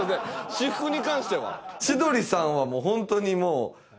私服に関しては。